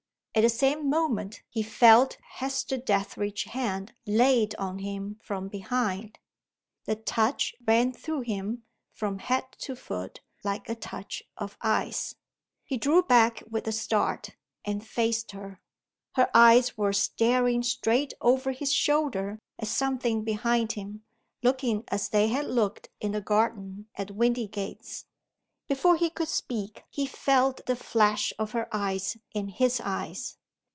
At the same moment he felt Hester Dethridge's hand laid on him from behind. The touch ran through him, from head to foot, like a touch of ice. He drew back with a start, and faced her. Her eyes were staring straight over his shoulder at something behind him looking as they had looked in the garden at Windygates. Before he could speak he felt the flash of her eyes in his eyes.